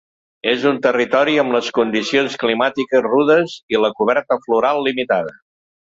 És un territori amb les condicions climàtiques rudes i la coberta floral limitada.